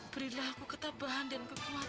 berilah aku ketabahan dan kekuatan ya allah